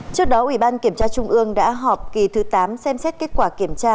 trước đó ủy ban kiểm tra trung ương đã họp kỳ thứ tám xem xét kết quả kiểm tra